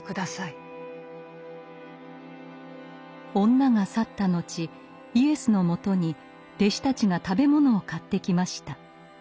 女が去った後イエスのもとに弟子たちが食べ物を買ってきました。